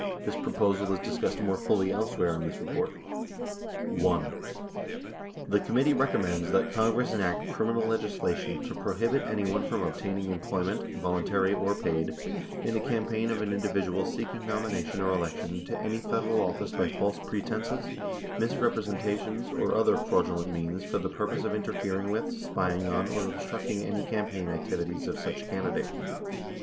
This proposal is dis cussed more fully elsewhere in this report. 42 1. The committee recommends that Congress enact criminal leg islation to prohibit anyone from obtaining employment, voluntary or paid, in a campaign of an individual seeking nomination or election to any Federal office by false pretenses, misrepresenta tions, or other fraudulent means for the purpose of interfering with, spying on, or obstructing any campaign activities of such candidate.